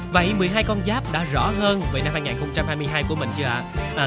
vậy một mươi hai con giáp đã rõ hơn về năm hai nghìn hai mươi hai của mình chưa ạ